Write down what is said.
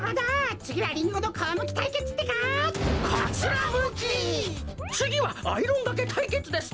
つぎはアイロンがけたいけつです！